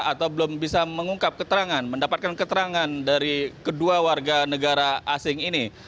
atau belum bisa mengungkap keterangan mendapatkan keterangan dari kedua warga negara asing ini